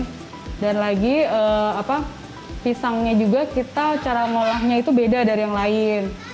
apalagi pisangnya juga cara mengolahnya itu beda dari yang lain